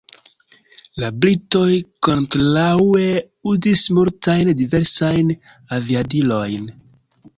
La britoj kontraŭe uzis multajn diversajn aviadilojn.